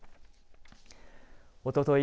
おととい